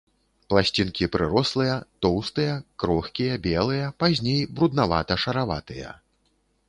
Пласцінкі прырослыя, тоўстыя, крохкія, белыя, пазней бруднавата-шараватыя.